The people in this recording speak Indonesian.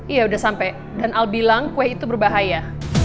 iya udah sampai dan al bilang kue itu berbahaya